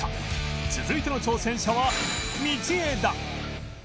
続いての挑戦者は道枝